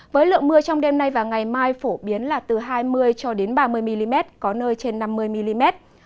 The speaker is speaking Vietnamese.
với lượng mưa trong đêm nay và ngày mai phổ biến là từ hai mươi cho đến ba mươi mm có nơi trên năm mươi mm